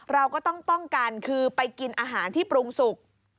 เราก็ต้องป้องกันคือไปกินอาหารที่ปรุงสุก